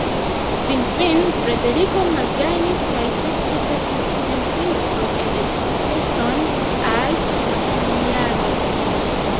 Finfine Frederiko malgajnis kaj sekve perdis sian princo-elektistecon al Maksimiliano.